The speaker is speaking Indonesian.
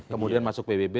kemudian masuk pbb